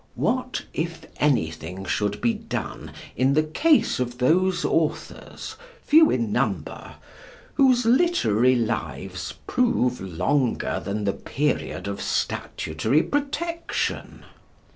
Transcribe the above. What, if anything, should be done in the case of those authors, few in number, whose literary lives prove longer than the period of statutory protection?